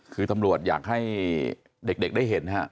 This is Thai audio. คือตำรวจอยากให้เด็กได้เห็นฮะ